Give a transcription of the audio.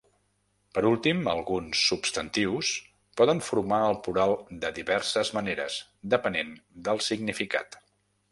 Per últim, alguns substantius poden formar el plural de diverses maneres, depenent del significat.